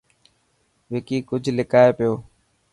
وڪي ڪجهه لڪائي پيو.